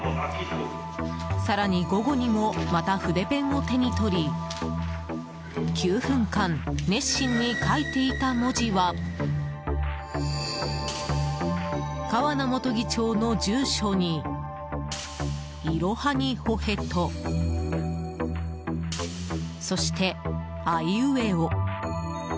更に午後にもまた筆ペンを手に取り９分間、熱心に書いていた文字は川名元議長の住所に「いろはにほへと」そして、「あいうえお」。